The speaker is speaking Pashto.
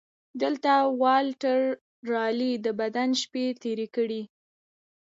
دلته والټر رالي د بند شپې تېرې کړې.